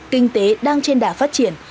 kinh tế đang trên đả phát triển